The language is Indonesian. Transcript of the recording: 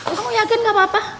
aku yakin gak apa apa